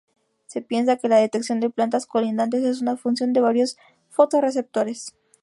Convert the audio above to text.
Se piensa que la detección de plantas colindantes es una función de varios fotorreceptores.